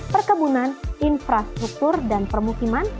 perkebunan infrastruktur dan permukiman